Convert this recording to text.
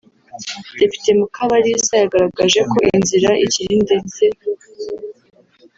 Depite Mukabalisa yagaragaje ko inzira ikiri ndetse